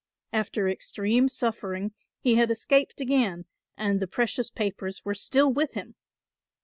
After extreme suffering he had escaped again and the precious papers were still with him.